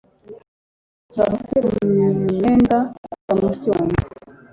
nkoresha amafaranga make kumyenda kuruta mushiki wanjye